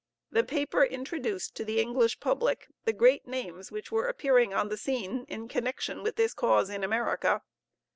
The paper introduced to the English public the great names which were appearing on the scene in connection with this cause in America.